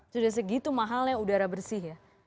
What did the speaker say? sudah segitu mahalnya udara bersih ya